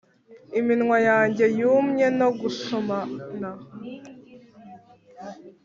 iminwa yanjye yumye no gusomana,